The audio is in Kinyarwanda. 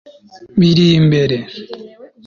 biri imbere